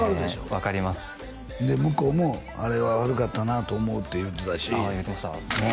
分かりますで向こうもあれは悪かったなと思うって言うてたし言ってました？